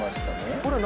これ何？